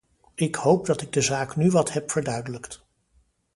Ik hoop dat ik de zaak nu wat heb verduidelijkt.